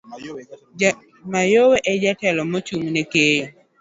Mayowe e jatelo mochung' ne keyo.